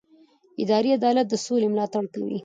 اداري عدالت د سولې ملاتړ کوي